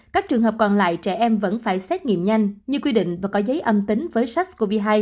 các trường hợp còn lại trẻ em vẫn phải xét nghiệm nhanh như quy định và có giấy âm tính với sars cov hai